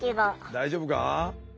大丈夫か？